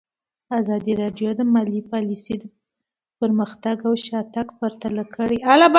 ازادي راډیو د مالي پالیسي پرمختګ او شاتګ پرتله کړی.